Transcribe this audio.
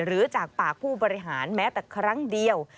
หรือจากปากผู้บริหารแม้แต่ครั้งเดียว